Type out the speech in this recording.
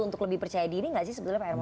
untuk lebih percaya diri nggak sih pak hermon